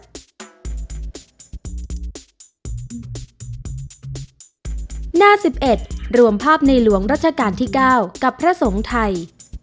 หน้า๑๑รวมภาพในหลวงรัชกาลที่๙กับพระสงฆ์ไทย